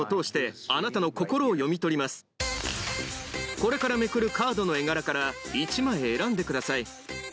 これからめくるカードの絵柄から１枚選んでください。